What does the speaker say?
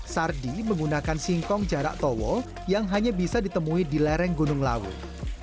sardi menggunakan singkong jarak towo yang hanya bisa ditemui di lereng gunung lawu